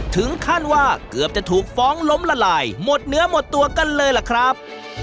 ถึงขั้นว่าเกือบจะถูกฟ้องล้มละลายหมดเนื้อหมดตัวกันเลยล่ะครับ